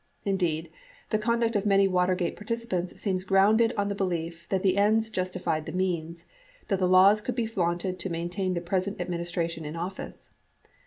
Indeed, the conduct of many Watergate participants seems grounded on the belief that the ends justified the means, that the laws could be flaunted to maintain the present administration in office.